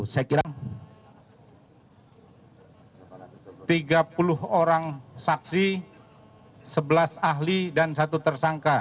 saya kira tiga puluh orang saksi sebelas ahli dan satu tersangka